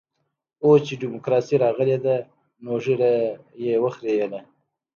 اوس چې ډيموکراسي راغلې ده نو ږيره يې وخرېیله.